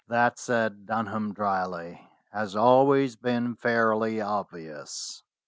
"That," said Dunham dryly, "has always been fairly obvious."